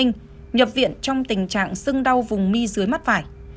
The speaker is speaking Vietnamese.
nhập viện trong tình trạng sưng đau vùng mi dưới mắt phải